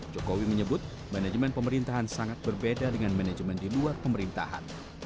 jokowi menyebut manajemen pemerintahan sangat berbeda dengan manajemen di luar pemerintahan